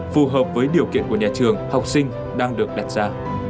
phù hợp với điều kiện của nhà trường học sinh đang được đặt ra